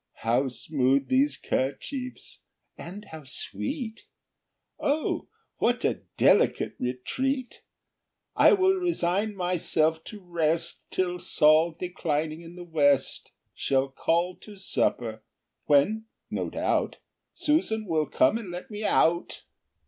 How smooth those 'kerchiefs, and how sweet Oh what a delicate retreat! I will resign myself to rest Till Sol declining in the west, Shall call to supper, when, no doubt, Susan will come, and let me out."